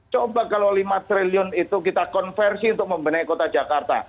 coba kalau lima triliun itu kita konversi untuk membenahi kota jakarta